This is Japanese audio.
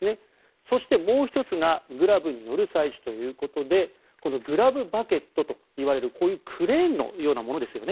そしてもう１つがグラブによる採取ということでグラブバケットといわれるクレーンのようなものですよね。